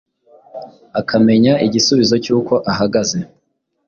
akamenya igisubizo cyuko ahagaze